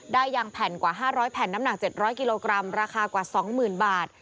ยางแผ่นกว่า๕๐๐แผ่นน้ำหนัก๗๐๐กิโลกรัมราคากว่า๒๐๐๐บาท